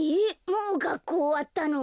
もうがっこうおわったの？